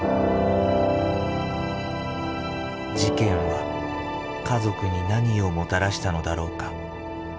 事件は家族に何をもたらしたのだろうか。